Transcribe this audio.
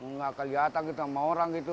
nggak kelihatan gitu sama orang gitu